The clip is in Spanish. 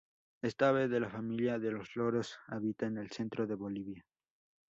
Esta ave de la familia de los loros habita en el centro de Bolivia.